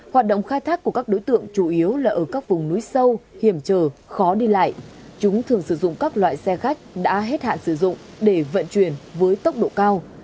hoạt động khai thác của các đối tượng chủ yếu là ở các vùng núi sâu hiểm trở khó đi lại chúng thường sử dụng các loại xe khách đã hết hạn sử dụng để vận chuyển với tốc độ cao